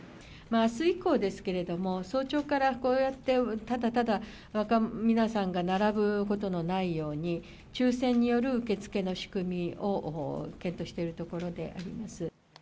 あす以降ですけれども、早朝からこうやって、ただただ皆さんが並ぶことのないように、抽せんによる受け付けの仕組みを検討しているところであります。